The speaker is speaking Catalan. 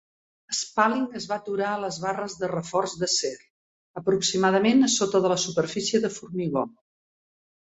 Spalling es va aturar a les barres de reforç d'acer, aproximadament a sota de la superfície de formigó.